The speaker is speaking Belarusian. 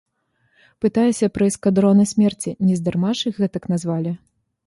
Пытаюся пра эскадроны смерці, нездарма ж іх гэтак назвалі?